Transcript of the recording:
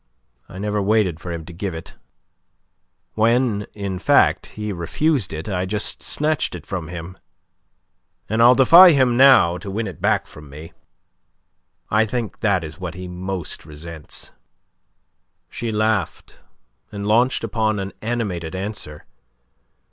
I never waited for him to give it. When, in fact, he refused it, I just snatched it from him, and I'll defy him now to win it back from me. I think that is what he most resents." She laughed, and launched upon an animated answer.